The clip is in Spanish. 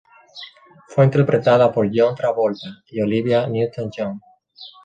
Fue interpretada por John Travolta y Olivia Newton-John.